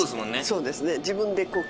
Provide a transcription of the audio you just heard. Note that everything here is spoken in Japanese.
そうですね。